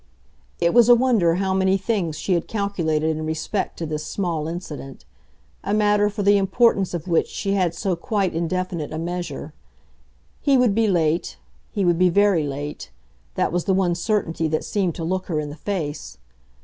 It was a wonder how many things she had calculated in respect to this small incident a matter for the importance of which she had so quite indefinite a measure. He would be late he would be very late; that was the one certainty that seemed to look her in the face.